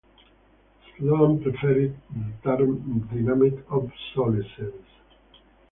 Sloan preferred the term "dynamic obsolescence".